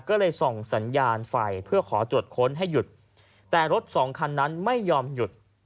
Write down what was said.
ก็เลยส่องสัญญาณไฟเพื่อขอตรวจค้นให้หยุดแต่รถสองคันนั้นไม่ยอมหยุด